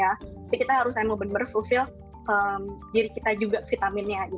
jadi kita harus benar benar fulfill diri kita juga vitaminnya